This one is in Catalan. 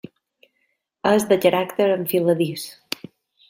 És de caràcter enfiladís.